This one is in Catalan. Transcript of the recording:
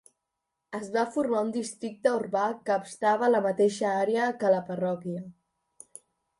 Es va formar un districte urbà que abastava la mateixa àrea que la parròquia.